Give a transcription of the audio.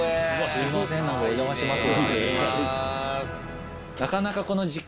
すいませんお邪魔します。